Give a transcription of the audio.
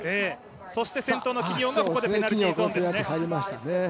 そこで先頭のキニオンがここでペナルティーゾーンですね。